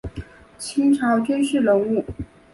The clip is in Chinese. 清朝军事人物。